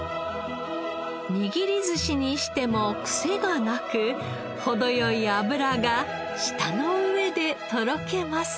握り寿司にしてもクセがなく程良い脂が舌の上でとろけます。